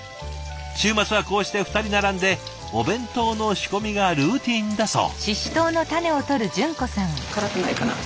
週末はこうして２人並んでお弁当の仕込みがルーティンだそう。